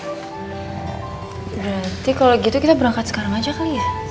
berarti kalau gitu kita berangkat sekarang aja kali ya